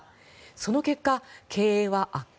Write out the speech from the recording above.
その結果、経営は悪化。